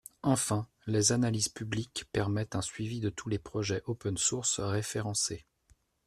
Enfin, les analyses publiques permettent un suivi de tous les projets OpenSource référencés.